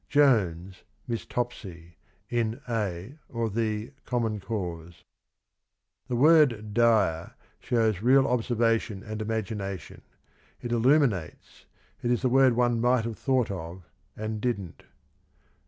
— Jones (Miss Topsy) in A (or The) Common Cause. " The word ' dire ' shows real observation and imagina tion. It illuminates — it is the word one might have thought of and didn't."